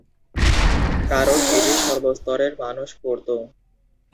কারণ এটি সর্বস্তরের মানুষ পড়ত।